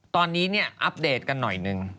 ตอนนี้อัปเดตกันหน่อยนึง